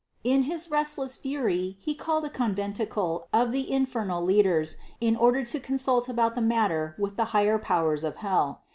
690. In his restless fury he called a conventicle of the infernal leaders in order to consult about the matter with the higher powers of hell.